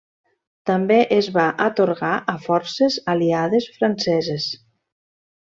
També es va atorgar a forces aliades franceses.